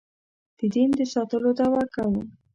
د دین د ساتلو دعوه کوو.